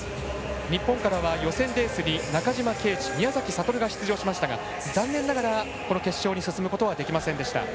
日本からは予選レースに中島啓智宮崎哲が出場していましたが残念ながら、決勝に進むことはできませんでした。